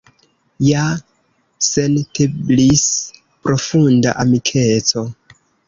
Ja senteblis profunda amikeco.